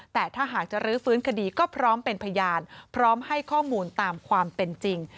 แต่ถ้าหากจะรื้อฟื้นคดีก็พร้อมเป็นพยานพร้อมให้ข้อมูลตามความเป็นจริง